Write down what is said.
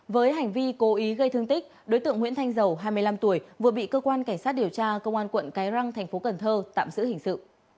với hành vi cố ý gây thương tích đối tượng nguyễn thanh dầu hai mươi năm tuổi vừa bị cơ quan cảnh sát điều tra công an quận cái răng thành phố cần thơ tạm giữ hình sự